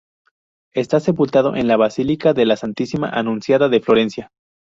Está sepultado en la basílica de la Santísima Anunciada de Florencia.